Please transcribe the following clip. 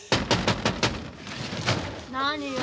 何よ？